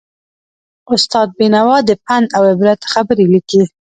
استاد بینوا د پند او عبرت خبرې لیکلې.